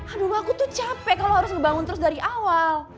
aduh aku tuh capek kalau harus ngebangun terus dari awal